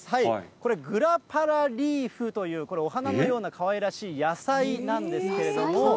これ、グラパラリーフという、これ、お花のようなかわいらしい野菜なんですけれども。